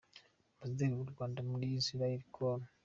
Ambasaderi w’u Rwanda muri Israel, Col.